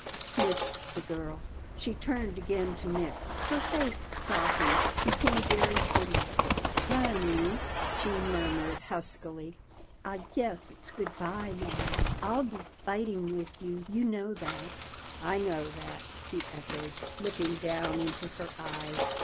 sniffed the girl. She turned again to Nick; her face softened, became very tender. "Honey," she murmured huskily, "I guess it's good bye now. I'll be fighting with you; you know that." "I know that," he echoed, looking down into her eyes.